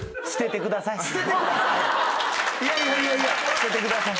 捨ててください！？